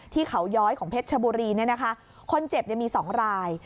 ที่เขาย้อยของเพชรชบุรีเนี่ยนะคะคนเจ็บมี๒ราย